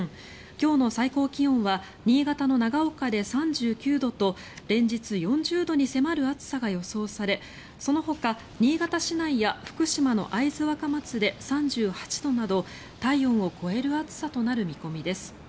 今日の最高気温は新潟の長岡で３９度と連日４０度に迫る暑さが予想されそのほか新潟市内や福島の会津若松で３８度など体温を超える暑さとなる見込みです。